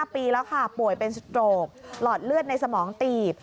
ผ่าป่วยเป็นโสโตรปหลอดเลือดในสมองตีบ